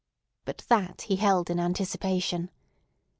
But that he held in anticipation.